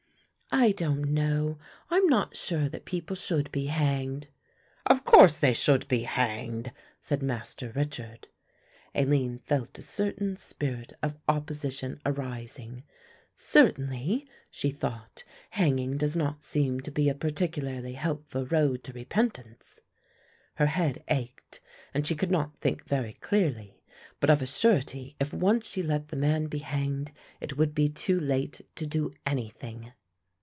"I don't know. I am not sure that people should be hanged." "Of course they should be hanged," said Master Richard. Aline felt a certain spirit of opposition arising. "Certainly," she thought, "hanging does not seem to be a particularly helpful road to repentance." Her head ached and she could not think very clearly; but of a surety if once she let the man be hanged it would be too late to do anything.